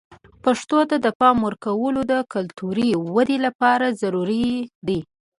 پښتو ته د پام ورکول د کلتوري ودې لپاره ضروري دي.